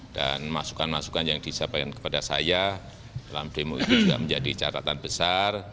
dan masukan masukan yang disampaikan kepada saya dalam demo itu juga menjadi catatan besar